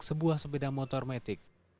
sebuah sepeda motor metik